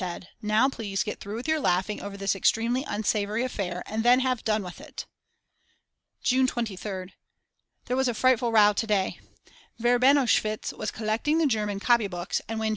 said: "Now please get through with your laughing over this extremely unsavoury affair, and then have done with it." June 23rd. There was a frightful row to day. Verbenowitsch was collecting the German copybooks and when Sch.